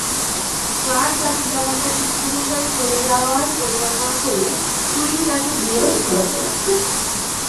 Clerk তার পিতামাতার ইচ্ছানুসারে চলে যাওয়ার পরিকল্পনা করলে টুরিং তাকে বিয়ের প্রস্তাব দেন।